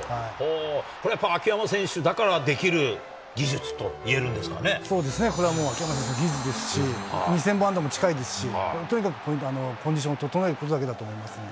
これはやっぱり秋山選手だかそうですね、これはもう、秋山選手の技術ですし、２０００本安打も近いですし、とにかくコンディションを整えることだけだと思いますので。